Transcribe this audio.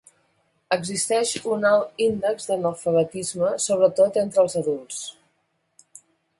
Existeix un alt índex d'analfabetisme sobretot entre els adults.